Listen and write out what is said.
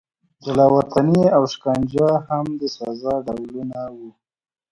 جلا وطني او شکنجه هم د سزا ډولونه وو.